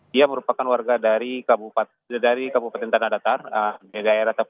dia merupakan warga dari kabupaten tanah datar